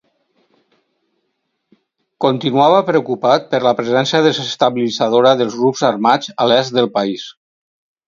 Continuava preocupat per la presència desestabilitzadora dels grups armats a l'est del país.